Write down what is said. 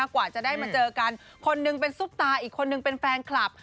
กว่าจะได้มาเจอกันคนหนึ่งเป็นซุปตาอีกคนนึงเป็นแฟนคลับ